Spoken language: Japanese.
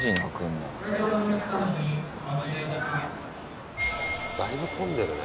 だいぶ混んでるね。